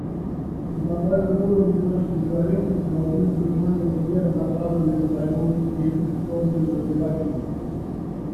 На глобальном уровне наши договоренности должны предусматривать меры, направленные на борьбу с неинфекционными заболеваниями.